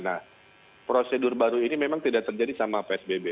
nah prosedur baru ini memang tidak terjadi sama psbb